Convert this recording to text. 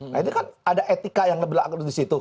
nah ini kan ada etika yang nebelakang di situ